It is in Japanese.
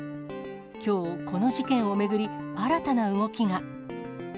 きょう、この事件を巡り、新たな動きが。